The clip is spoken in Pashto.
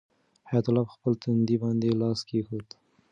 حیات الله په خپل تندي باندې لاس کېښود.